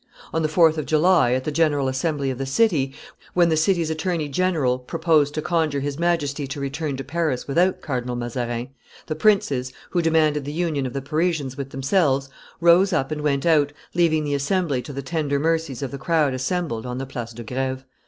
On the 4th of July, at the general assembly of the city, when the king's attorney general proposed to conjure his Majesty to return to Paris without Cardinal Mazarin, the princes, who demanded the union of the Parisians with themselves, rose up and went out, leaving the assembly to the tender mercies of the crowd assembled on the Place de Greve.